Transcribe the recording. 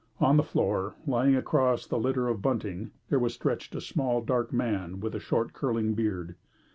On the floor, lying across the litter of bunting, there was stretched a small, dark man with a short, curling beard.